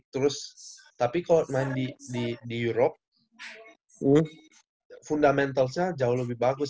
terus tapi kalau main di europe fundamentalsnya jauh lebih bagus